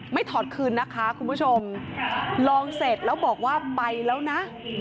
ถอดคืนนะคะคุณผู้ชมลองเสร็จแล้วบอกว่าไปแล้วนะ